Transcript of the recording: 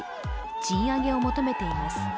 賃上げを求めています。